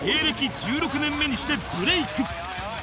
１６年目にしてブレイク